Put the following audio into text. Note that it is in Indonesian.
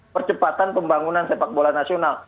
percepatan pembangunan sepak bola nasional